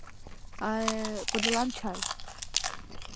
Аа-э... подылам чай...